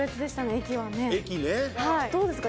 駅ねどうですか？